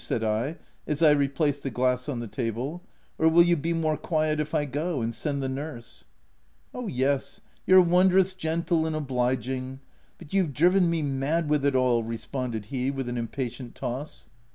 said I, as I replaced the glass on the table —" or will you be more quiet if I go, and send the nurse ?" M Oh, yes, you're wondrous gentle and oblig ing !— But you've driven me mad with it all !" responded he, with an impatient toss.